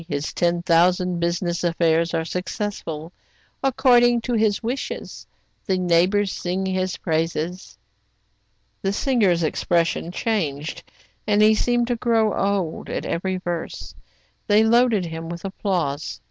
His ten thousand business affairs are successful, according to his wishes. The neighbors sing his praises." The singer's expression changed, and he seemed to grow old, at every verse. They loaded him with applause.